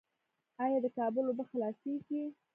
آیا د کابل اوبه خلاصیږي؟